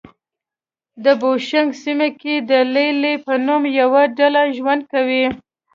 د بوشونګ سیمه کې د لې لې په نوم یوه ډله ژوند کوي.